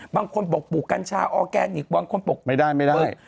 บางคนบอกปลูกกัญชาออร์แกนิคบางคนปลูกไม่ได้ไม่ได้